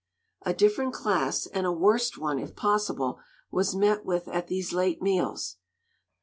A different class, and a worst one if possible, was met with at these late meals.